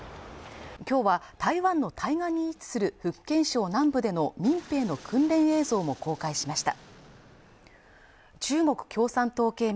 今日は台湾の対岸に位置する福建省南部での民兵の訓練映像も公開しました